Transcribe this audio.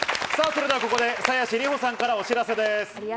それではここで鞘師里保さんからお知らせです。